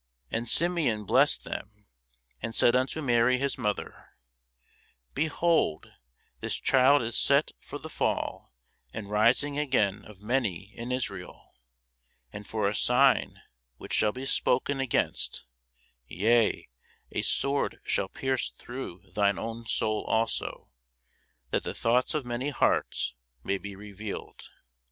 And Simeon blessed them, and said unto Mary his mother, Behold, this child is set for the fall and rising again of many in Israel; and for a sign which shall be spoken against; (yea, a sword shall pierce through thy own soul also,) that the thoughts of many hearts may be revealed.